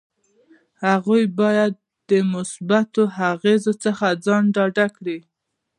هغوی باید د مثبتو اغیزو څخه ځان ډاډه کړي.